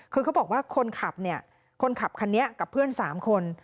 คือเขาบอกว่าคนขับเนี่ยคนขับคันนี้กับเพื่อน๓คน